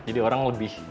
jadi orang lebih